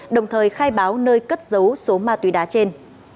đồng thời khai báo nơi cất dấu số ma túy đá trên